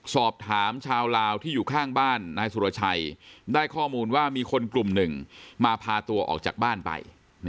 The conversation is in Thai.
สอบถามชาวลาวที่อยู่ข้างบ้านนายสุรชัยได้ข้อมูลว่ามีคนกลุ่มหนึ่งมาพาตัวออกจากบ้านไป